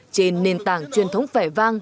trên nền tảng truyền thống vẻ vang